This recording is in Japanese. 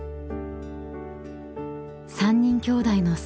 ［３人きょうだいの末っ子］